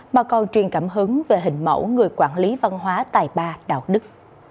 mà còn truyền cảm hứng về hình mẫu người quản lý văn hóa tài ba đạo đức